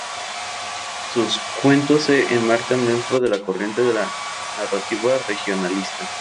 Sus cuentos se enmarcan dentro de la corriente de la narrativa regionalista.